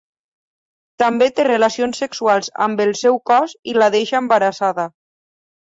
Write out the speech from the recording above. També té relacions sexuals amb el seu cos i la deixa embarassada.